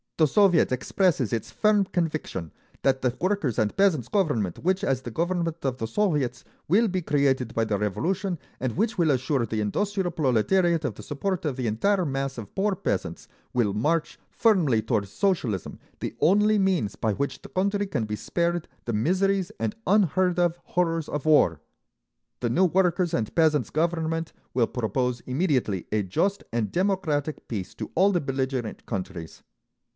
The Soviet expresses its firm conviction that the Workers' and Peasants' Government which, as the government of the Soviets, will be created by the Revolution, and which will assure the industrial proletariat of the support of the entire mass of poor peasants, will march firmly toward Socialism, the only means by which the country can be spared the miseries and unheard of horrors of war. The new Workers' and Peasants' Government will propose immediately a just and democratic peace to all the belligerent countries.